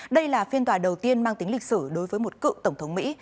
đây là phiên tòa đầu tiên mang tính lịch sử đối với một cựu tổng thống mỹ